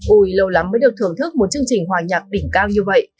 ui lâu lắm mới được thưởng thức một chương trình hòa nhạc đỉnh cao như vậy